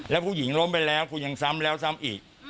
แล้วผู้หญิงล้มไปแล้วคุณยังซ้ำแล้วซ้ำอีก